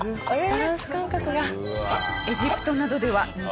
バランス感覚が。